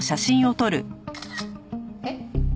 えっ？